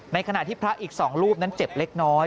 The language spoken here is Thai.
ขณะที่พระอีก๒รูปนั้นเจ็บเล็กน้อย